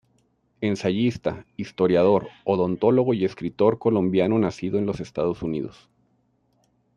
Ensayista, historiador, odontólogo y escritor colombiano nacido en Los Estados Unidos.